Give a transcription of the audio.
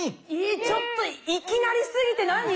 えちょっといきなりすぎてなに？